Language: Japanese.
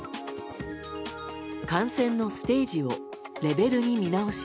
感染のステージをレベルに見直し